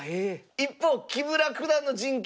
一方木村九段の陣形